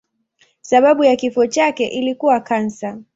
Sababu ya kifo chake ilikuwa kansa.